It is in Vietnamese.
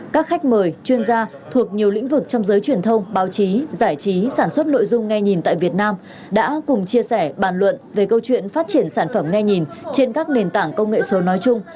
các khách mời chuyên gia thuộc nhiều lĩnh vực trong giới truyền thông báo chí giải trí sản xuất nội dung nghe nhìn tại việt nam đã cùng chia sẻ bàn luận về câu chuyện phát triển sản phẩm nghe nhìn trên các nền tảng công nghệ số nói chung